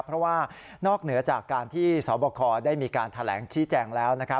เพราะว่านอกเหนือจากการที่สบคได้มีการแถลงชี้แจงแล้ว